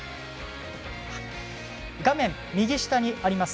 画面右下にあります